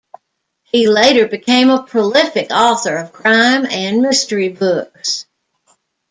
He later became a prolific author of crime and mystery books.